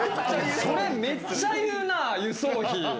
それめっちゃ言うな、輸送費。